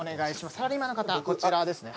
サラリーマンの方こちらですね